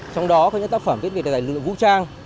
trong đó có những tác phẩm biết về đại dạy lựa vũ trang